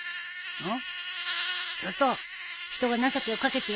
うん？